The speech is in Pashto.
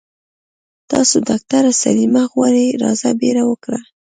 تاسو ډاکټره سليمه غواړي راځه بيړه وکړه.